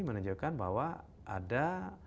menunjukkan bahwa ada